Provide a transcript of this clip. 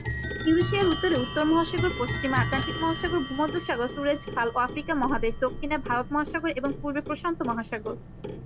ইউরেশিয়ার উত্তরে উত্তর মহাসাগর; পশ্চিমে আটলান্টিক মহাসাগর, ভূমধ্যসাগর, সুয়েজ খাল ও আফ্রিকা মহাদেশ; দক্ষিণে ভারত মহাসাগর এবং পূর্বে প্রশান্ত মহাসাগর।